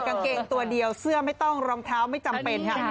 กางเกงตัวเดียวเสื้อไม่ต้องรองเท้าไม่จำเป็นค่ะ